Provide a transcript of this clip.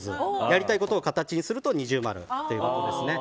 やりたいことを形にすると二重丸ということですね。